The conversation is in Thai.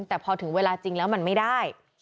แต่พอถึงเวลาจริงแล้วมันไม่ได้